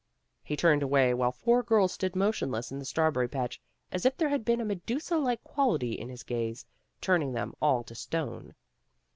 '' He turned away while four girls stood motionless in the straw berry patch, as if there had been a Medusa like quality in his gaze, turning them all to stone.